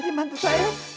jadi mantu saya